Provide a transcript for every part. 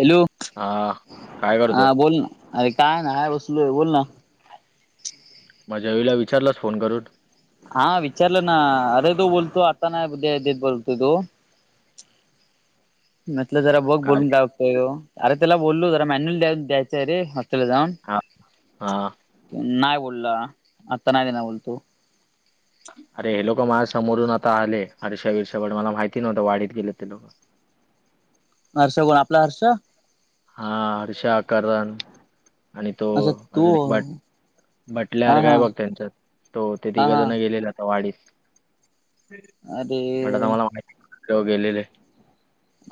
Hello हा काय करतोय हा बोल ना अरे काय ना बसलो आहे बोल ना. माझ्या वेळेला विचारलास फोन करून. हा विचारलं ना अरे तू बोलतो आता नाय बोलतो तो म्हटलं जरा बघ का बोलून रे काय बघतोय तो अरे त्याला बोललो जरा मॅन्युअल द्यायचय रे. जाऊन हा हा नाही बोलला आता नाही दे ना बोलतो. अरे हे लोक माझ्या समोरून आता आले हरेषा वीरशा पण मला माहिती नव्हतं वाढीत गेलेत ते लोक. हर्ष कोण आपला हर्षा हा हर्षा करण आणि तो अच्छा तू अजून एक भट. म्हटल्यावर हा काय हा बघ त्यांच्यात तो ते हा तिघ हा जण गेलेला. वाडीस अरे म्हट तर मला माहिती ते गेलेले.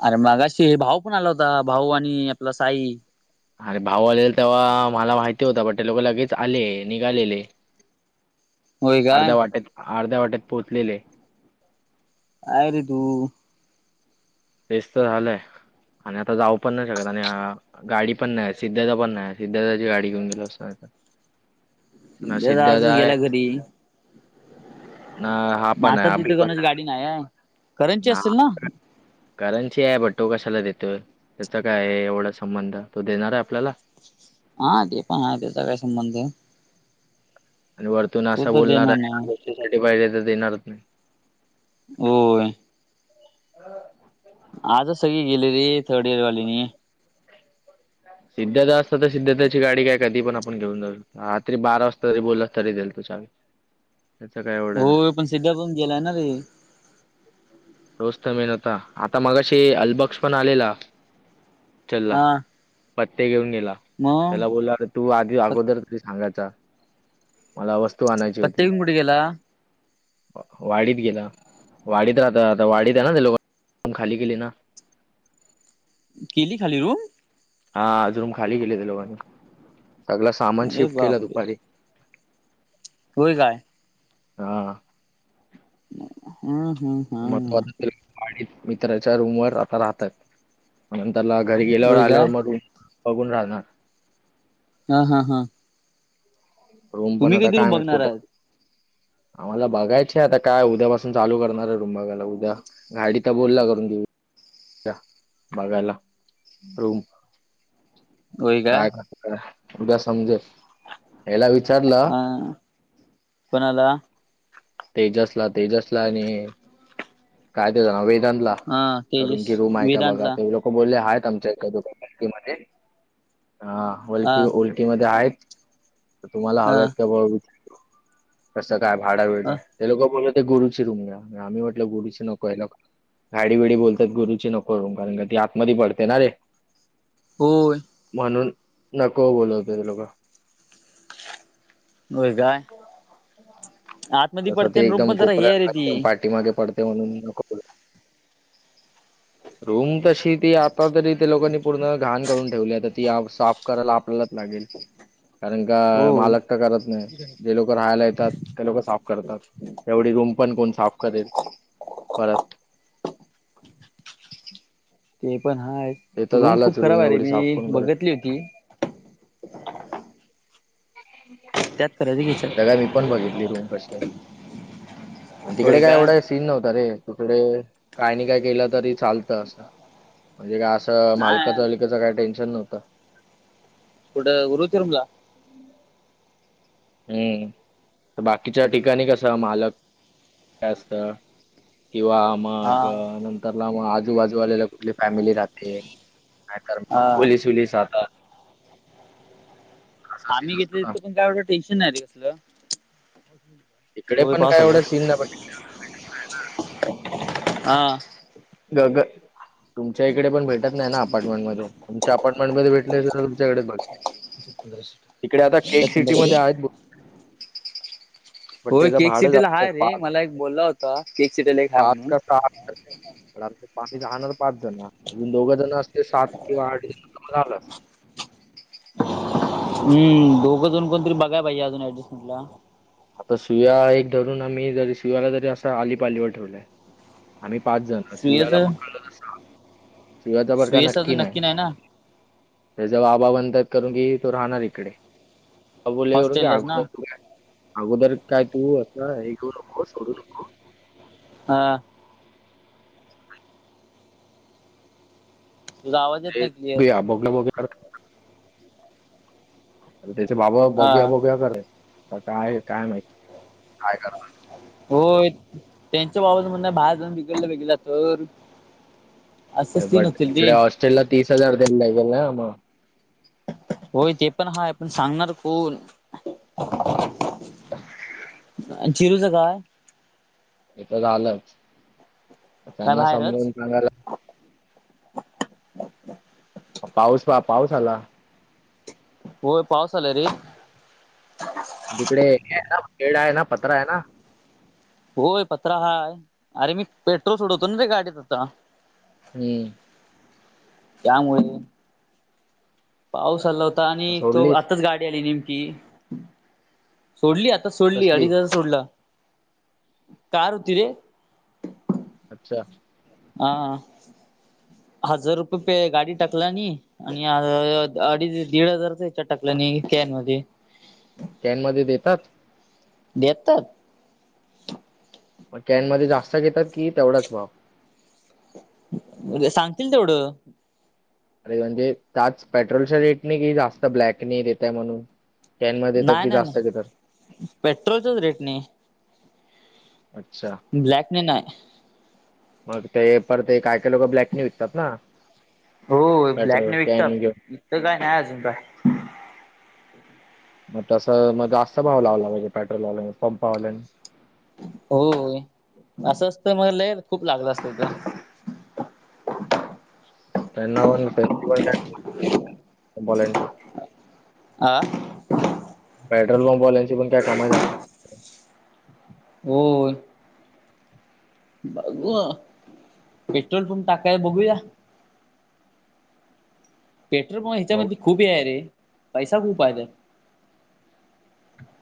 अरे मगाशी भाऊ पण आला होता भाऊ आणि आपला साई. अरे भाव आलेल तेव्हा मला माहिती होता बण ते लोक लगेच आले निघालेले. होय काय अर्ध्या वाटेत अर्ध्या वाटेत पोहोचलेले. काय रे तु. तेच तर झालंय आणि आता जाऊ पण नाही शकत आणि अ गाडी पण नाही सिद्धारथ पण नाही सिद्धार्थाची गाडी घेऊन गेलो असतो आणि. सध्या आजच गेल्या घरी. ना हा मग पण आता आहे अभि तिथं पण कोणाची आहे गाडी नाहीये. ना करनची ये बट तो कशाला देतोय त्याचा काय आहे एवढा संबंध तो देणार आहे आपल्याला. हा ते पण आहे त्याचा काय संबंध ये. आणि वरतून असा तर बोलणार देणार नाही. आहे गोष्टीसाठी पाहिले तर देणारच नाही. होय आजच सगळे गेले रे थर्ड इयर वालीनी सिद्धता असतात तर सिद्ध त्याची गाडी काय कधी पण आपण घेऊ जाऊ. रात्री बारा वाजता तरी बोलला तरी देईल तो चावी. त्याचा काय एवढा नाय. होय पण सिद्धा पण गेलाय ना रे तोच तर मेन होता आता मगाशी अलबक्क्ष पण आलेला हॉस्टेलला. हा पत्ते घेऊन गेला मग त्याला बोलला अरे तू आधी अगोदर तरी सांगायचा. मला वस्तू आणायची प्रत्येक होती कुठे गेला वाढीत गेला. वाढीत राहत आता वाढीत आहे ना ते लोक रुम खाली केली ना. केली खाली रूम हा आज रूम खाली केली त्यांनी वाटत सगळ सामान अरे शिफ्ट केलं बापरे दुपारी. होय काय हा हम् हम् मित्राच्या रूम वर आता राहतात. नंतरला घरी गेल्यावर होय काय आल्यावर मग बघून राहणार. हा हा हा रूम पण तुम्ही आता कधी रूम काय माहित बघणार कुठ आहात आम्हाला बघायचे आता काय उद्यापासून चालू करणार आहे रूम बघायला उद्या गाडीत तर बोलला करून देऊ [unintelligible] बघायला रूम. काय कसं काय उद्या समजेल हेला विचारलं. हं कोणाला? तेजसला, तेजसला आणि काय त्याच नाव हे त्यानला हा करून तेजस की रूम आहे का बघा वेदांतला ते लोक बोलले आहेत आमच्या इथुका म्हणे हा वलकी ओळ ते मधे आहेत तर तुम्हाला हव्यात का हा बाच कसं काय भाडा विळणं ते लोक बोलल ते गुरुची रूम घ्या आम्ही म्हटलं गुरुची नको याला गाडी बिडी बोलतात गुरुची नको रूम कारण का ती आतमध्ये पडते ना रे. होय म्हणून नको बोलवते ते लोकं. होय काय. आत तसं ते एकदम कोपऱ्यात [unintelligible] पाठीमागे पडतय म्हणून मी नको बोलवते रूम तशी ती आता तरी त्या लोकांनी पूर्ण घाण करून ठेवली आता ती साफ करायला आपल्यालाच लागेल. कारण का हो मालक तर करत नाही ते लोक राहायला येतात ते लोक साफ करतात, एवढी रूम पण कोण साफ करेल परत [inaudible] ते पण हाय. ते तर रूम खूप झालाच खराब आहे रे एवढी साफ कोण मी करेल. बघितली होती. [inaudible] त्यात करायची घ्यायच्या [unintelligible] मी पण बघितली रूम कशी हाय आणि तिकडे होय काय का एवढं तीन नव्हता रे, तुकडे काय नाही काय केलं तरी चालतं असं म्हणजे काय असं मालकाच नाही बिलकाचं काय टेन्शन नव्हतं. कुठं उरुतिरुंमला? हम्म बाकीच्या ठिकाणी कसं मालक काय असतं किंवा हा मग नंतरला मग आजूबाजू आलेला कुठली फॅमिली राहते. नाही तर मग हा पोलीस उलीस राहतात. असा आम्ही सीन घेतलय असतो ना. तिथं पण काय एवढं टेन्शन नाही रे कसलं. इकडे होय पण काय पाऊस आला [inaudible] एवढं सीन नाही पण हा गग. तुमच्या इकडे पण भेटत नाही ना अपार्टमेंट मध्ये. तुमच्या अपार्टमेंट मध्ये भेटले तुमच्याकडे बघी तिकडे आता के क सिटी मधे आहेत भ होय त्याचं के क भाडं सिटीला जास्त आहे. हाय रे, पाच मला एक बोलला होता, केक सिटीला एक हाय पाच म्हणून. का सहा हजार. पण आमच्या पाटी राहणार पाच जण ना, अजून दोघं जण असते सात किंवा आठ जण मग झाल असतं. हम् दोघंजन कोणतरी बघायला पाहिजे अजून ऍडजस्टमेंटला. आता सुव्या एक धरून आम्ही जरी सुव्याला जरी असं आलीपालीवर ठेवलंय आम्ही पाच जण सीव्याला सुयच [unintelligible] सीव्याच बर का सुयश नक्की अजून नाही. ना त्याच्चे बाबा म्हणतात करू की, तो राहणार इकडे बोलणे करू घ्या हॉस्टेललाच ना अगोदर अगोदर काय तू असं हे घेऊ नको सोडू नको. हा. तुझा आवाज येत ते नाही क्लिअर तू या. [unintelligible] तेचे बाबा हा बघुया, बघुया करतात आता काय, काय माहीत, काय करतात. होय त्यांच्या बाबाचं म्हणनंय बाहेर जाऊन बिघडला बिघडला तर. अरे असंच सीन बट होतील ते तिकडे हॉस्टेलला तीस हजार द्यायला लागेल ना म. होय ते पण हाय. पण सांगणार कोण? अं चिरूचं काय? तेच झालं. काय त्यांना बाहेरच समजून सांगायला पाऊस पा पाऊस आला. होय पावस आल रे. तिकडे हे शेड आहे ना. पत्राय ना. होय पत्रा हाय. अरे मी पेट्रोल सोडवतो ना ते गाडीत आता. हम्म. त्यामुळे. पाऊस आला होता. मग आणि एतो सोडलीस आताच गाडी आली नेमकी. सोडली आता सोडली. कसली अडीच हजार सोडलं. कार होती रे. अच्छा. हा हजार रुपये पे गाडी टाकल आणि आणि अं अं अडीच, दीड हजारच याच्यात टाकल्याने कॅन मध्ये. कॅन मध्ये देतात? देतात. म कॅनमध्ये जास्त घेतात की, तेवढाच भाव? सांगतील तेवढं. अरे म्हणजे त्याच पेट्रोलच्या रेटने की, जास्त ब्लॅकनी देतय म्हणून. कॅन मध्ये देतात की जास्त घेतात. पेट्रोलचाच रेटनी. अच्छा. ब्लॅकने नाही. मग ते पर ते काय काय लोक ब्लॅक विकतात ना. हो पेट्रोल ब्लॅकने विकतात. कॅन घेऊन इथ काय नाही अजून काय. मग तस मग जास्त भाव लावला पाहिजे. पेट्रोल वालानी पंपावालानी. होय असं असत मग लय, खूप लागलं असत तर. त्यांना बलाची. [unintelligible] आ. पेट्रोल पंप वाल्याची पण काय कमाय झा होय. बघू, पेट्रोल पंप टाकाय बघूया. [inaudible] पेट्रोल प नाही. ह्याच्यामध्ये खूप हे आहे रे. पैसा खूप आहे त्यात.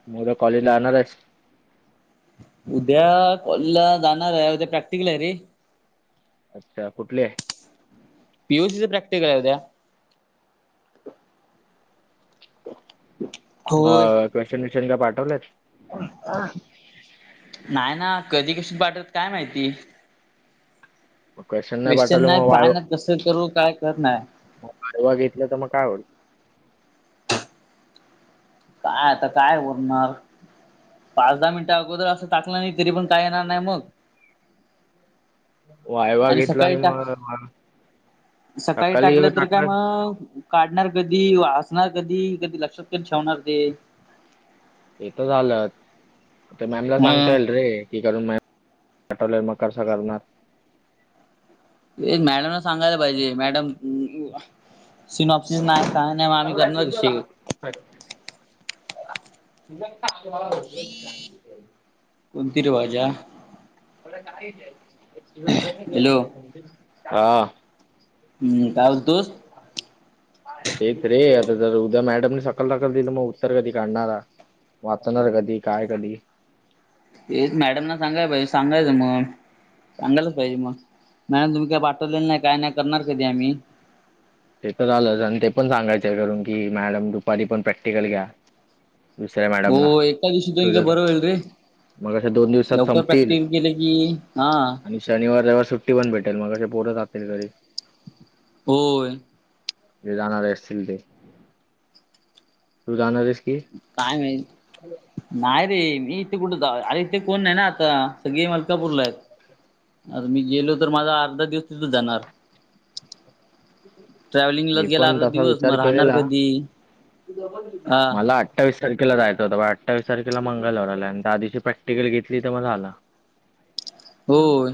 म उद्या कॉलेज ला जाणारेस. उद्या कॉलेजला जाणारे. उद्या प्रॅक्टिकल आहे रे. अच्छा कुठले? पि ओ सीच प्रॅक्टिकल आहे उद्या. होय. मग क्वेशचन बीशन काय पाठवलेत? नाही ना. कधी क्वेश्चन पाठवते काय माहिती? मग क्वेश्चन नाही क्वेशचन पाठवले नाय, मग काय नाय. कसं करू काय कळत नाय. आडवा घेतलं त मग काय होईल? काय आता काय उरणार. पाच दहा मिनिटं अगोदर असं टाकलं ना. तरी पण काय येणार नाही मग. वाय. आणि सकाळी टाक सकाळी टाकलं तर काय मग. काढणार कधी वाचणार कधी कधी लक्षात ते ठेवणार ते. ते तर झालंच मॅमला हम सांगता येईल रे. क करून म आठवले मग कसं करणार. ते मॅडम ना सांगायला पाहिजे मॅडम. सिन ऑप्सन नाही काय नाही म आम्ही करणार कशे. [inaudible] [inaudible] तीर वाजा. हॅलो हां. काय बोलतोस [inaudible] तेच रे आता जर उद्या मॅडमने सकल दाखल दिलं मग उत्तर कधी काढणारा. वाचणार कधी काय कधी. हेच मॅडम ना सांगाय पाहिजे सांगायचं मग. सांगायला पाहिजे मग नाही तुम्ही काही पाठवलेलं नाही काय नाही करणार कधी आम्ही. [inaudible] ते तर आलंच आणि ते पण सांगायचं करून की मॅडम दुपारी पण प्रॅक्टिकल घ्या. दुसऱ्या हो मॅडमला एका दिवशी तुम्ही काय तूजत. बरं होईल रे मग अश्या दोन दिवसात लवकर संपतील. प्रॅक्टिस केले की हा शनिवार रविवार सुट्टी पण भेटेल मग पोरं राहतील घरी. होय. ते जाणार आहे असतील ते. तू जाणार आहेस की? काय माहित. नाही रे मी इथे कुठे जा, अरे इथे कोण नाही ना आता सगळे मलकापूरला आहेत. आर मी गेलो तर माझा अर्धा दिवस तिथं जाणार. ट्रॅव्हलिंगलाच मी गेला पण अर्धा तसा दिवस विचार मग राहणार केलेला कधी हा मला. अठ्ठावीस तारखेला जायचं होतं. बा अठ्ठावीस तारखेला मंगलवार आलाय आणि त्या दिवशी प्रॅक्टिकली घेतली तर मग आला. [inaudible] होय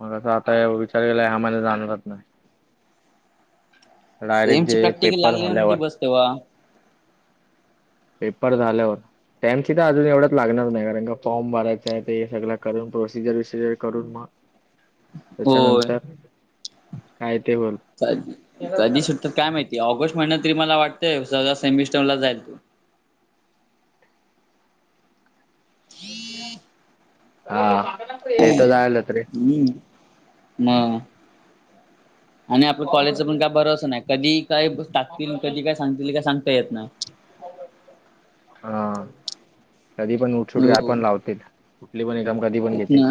मगं आता आता या विचार केला ह्या माहिन्यात जाणार आत. नाय. सेम ची जे प्रॅक्टिकल पेपर लागलिया म्हणजे झाल्यावर बस तेव्हा. पेपर झाल्यावर. सेमची तर अजुन एवढ्यात लागणार नाही कारण का फॉर्म भरायचं आहे ते हे सगळं करून प्रोसिजर बीसिजर करून म होय तेच्यानंतर काय ते वर कध कधी सुटतात काय माहिती ऑगस्ट महिन्यात तरी मला वाटतयं ससा सेमिस्टरला जाईल तू. हा. ते तर जायलाच रे हम्म म. [inaudible] आणि आपलं कॉलेजचं पण काय बरचं नाही कधी काय टाकतील कधी काय सांगतील काय सांगता येत नाही. हां कधी पण ओ छुटक्या हो पण लावते कुठली पण एकदम कधी पण तेच घेते. ना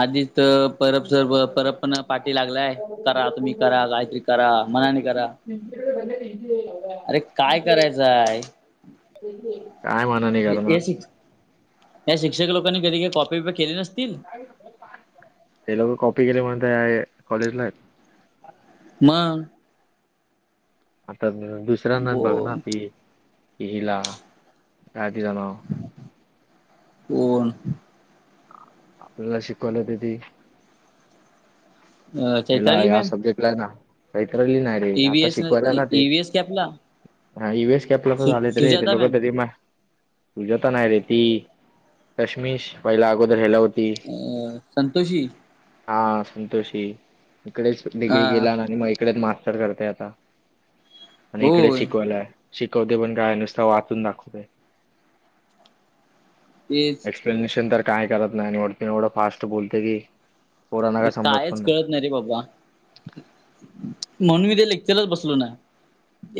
आधीच तर परब सर परब पण पाठी लागलाय. करा तुम्ही करा काहीतरी करा मनाने करा. [unintelligible] अरे करायचंय काय म्हणा नाही घरमा. हे शिक या शिक्षक लोकांनी कधीही कॉपी प केले नसतील? ते लोक कॉपी केले म्हणत कॉलेजला. [unintelligible] मग आता दुसऱ्यांना हो बघ ना की हिला काय तीच नाव. कोण? आपल्याला शिकवायला होती ति. हेला चैत्राली या मॅम सब्जेक्ट ला ना काहीत्रली नाही रे आता ईव्हीएस शिकवायला ना ते. ईव्हीएस कॅपला हा यु एस कॅपला सु झाले येत ते सुजाता लोक मॅम कधी मा. सुजाता नाही रे ती चष्मीश पहिला अगोदर ह्याला होति. अ संतोषी. हा संतोषी. इकडेच हा डिग्री केला आणि मग इकडेच मास्टर करते आता. आणि इकडेच होय शिकवायलाय शिकवते पण काय नुसता वाचून दाखवते. तेच एक्सप्लेनेशन तर काय करत नाही वरतून एवढं फास्ट बोलते की. पोरांना अरे काय समजत कायच पण कळत नाही रे बाबा. म्हणून मी ते लेक्चरच बसलो ना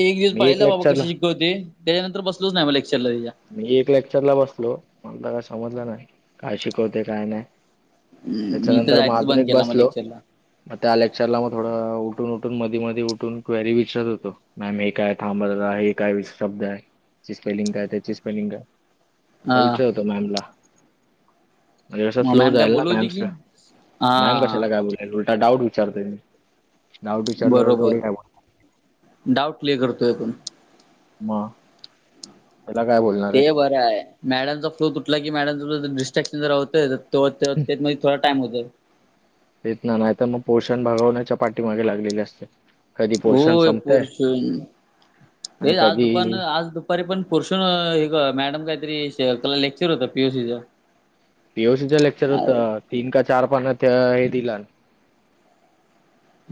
एक दिवस मी पाहिला बाबा लेक्चरला कशी.. शिकवत होति ते त्याच्यानंतर बसलच नाही मला लेक्चरला तिच्या. मी एक लेक्चरला बसलो मग काय समजलं नाही काय शिकवते काय नाही. मी तर त्याच्यानंतर मग जायचं बंद आधुनिक केला मग बसलो. लेक्चरला त्या लेक्चरला मग थोडं उठून उठून मधी मध्येी उठून क्वेरी विचारत होतो. मॅम हे काय थांब हे काय शब्द आहेची स्पेलिंग काय. याची स्पेलिंग काय हा विचारत होतो मॅम ला. म्हणजे कं मग स्लो मॅम काय जाईल ना बोलत मॅम होती की मॅम हा कशाला काय बोलाल उलटा डाऊट विचारते मी. डाऊट विचारल्यावर थोडी बरोबर काय बोल डाऊट क्लिअर करतोय पण. म.. ते बरं आहे मॅडमचा फ्लो तुटला की मॅडमचा डिस्ट्रॅक्शन जर होतय. तो त्यातमध्ये थोडा टाइम होतो. तेेत ना नाही तर मग पोर्शन भागवण्याच्या पाठीमागे लागलेले असते. कधी पोर्शन होय संपतंय पोर्षण हे आणि आज दुपार कधी आज दुप.. पररे पण पोर्षण हे मॅडम काहीतरीला लेक्चर होत पीयुसीचा. पीओसीचं लेक्चर होतं तीन का चार पान हे दिला.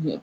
ह.